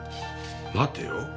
待てよ。